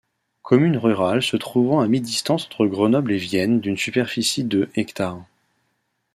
Commune rurale se trouvant à mi-distance entre Grenoble et Vienne d'une superficie de hectares.